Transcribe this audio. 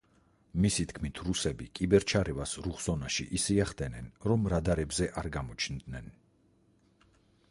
მისი თქმით, რუსები კიბერ-ჩარევას „რუხ ზონაში“ ისე ახდენენ, რომ რადარებზე არ გამოჩნდნენ.